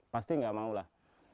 pasti nggak mau lah